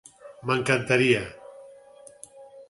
M'encantaria.